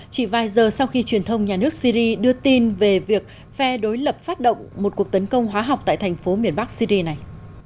chỉ vài giờ sau khi truyền thông nhà nước syri đưa tin về việc phe đối lập phát động một cuộc tấn công hóa học tại thành phố miền bắc syri này